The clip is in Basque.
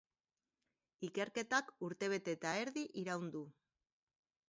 Ikerketak urtebete eta erdi iraun du.